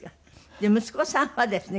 で息子さんはですね